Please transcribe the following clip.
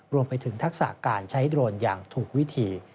รวมไปถึงทักษะการใช้โดรนอย่างถูกวิธี